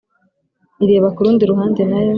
ireba kurundi ruhande, nayo,